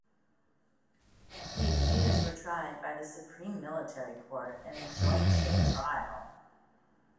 The accused were tried by the Supreme Military Court in a joint show trial.